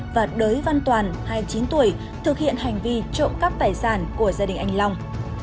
và đới văn toàn hai mươi chín tuổi thực hiện hành vi trộm cắp tài sản của gia đình anh long